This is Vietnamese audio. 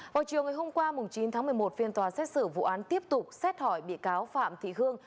vào chiều ngày hôm qua chín tháng một mươi một phiên tòa xét xử vụ án tiếp tục xét hỏi bị cáo phạm thị hương